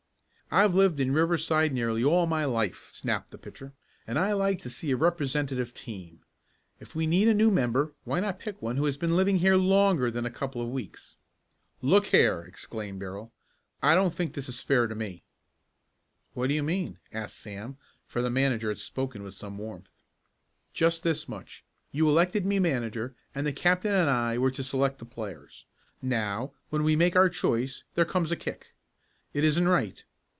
"I've lived in Riverside nearly all my life," snapped the pitcher, "and I like to see a representative team. If we need a new member why not pick one who has been living here longer than a couple of weeks?" "Look here!" exclaimed Darrell. "I don't think this is fair to me." "How do you mean?" asked Sam, for the manager had spoken with some warmth. "Just this much. You elected me manager and the captain and I were to select the players. Now, when we make our choice, there comes a kick. It isn't right.